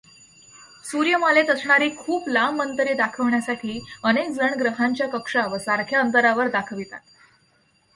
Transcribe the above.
सूर्यमालेत असणारी खूप लांब अंतरे दाखविण्यासाठी अनेक जण ग्रहांच्या कक्षा या सारख्या अंतरावर दाखवितात.